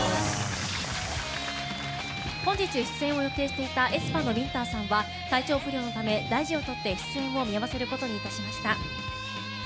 本日出演を予定していたａｅｓｐａのウィンターさんは体調不良のため大事をとって出演を見合わせることになりました。